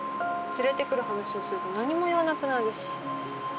連れてくる話をすると何も言わなくなるし。